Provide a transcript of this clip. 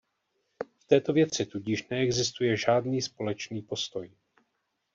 V této věci tudíž neexistuje žádný společný postoj.